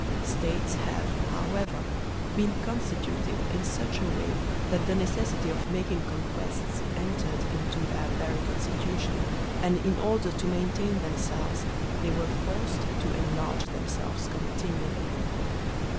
States have, however, been constituted in such a way that the necessity of making conquests entered into their very constitution, and in order to maintain themselves they were forced to enlarge themselves continually.